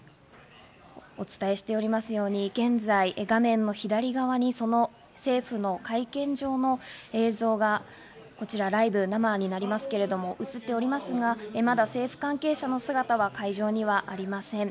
お伝えしておりますように現在、画面の左側にその政府の会見場の映像がこちらライブ、生になりますけれども、映っておりますが、まだ政府関係者の姿は会場にはありません。